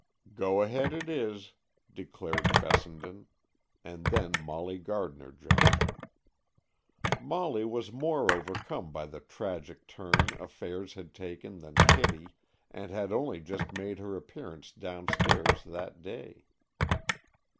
"Go ahead it is," declared Fessenden, and then Molly Gardner joined them. Molly was more overcome by the tragic turn affairs had taken than Kitty, and had only just made her appearance downstairs that day.